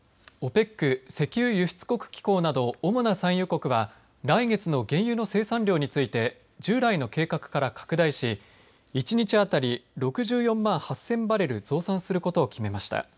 ＯＰＥＣ石油輸出国機構など主な産油国は来月の原油の生産量について従来の計画から拡大し１日当たり６４万８０００バレル増産することを決めました。